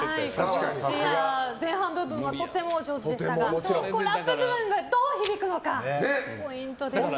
前半部分はとても上手でしたがラップ部分が、どう響くのかがポイントですね。